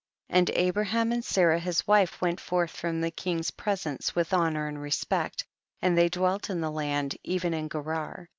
27. And Abraham and Sarah his wife went forth from the king's presence with honor and respect, and they dwelt in the land, even in Gerar.